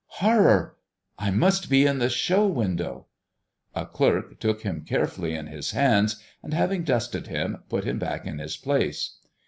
"Horror! I must be in the show window!" A clerk took him carefully in his hands, and having dusted him, put him back in his place.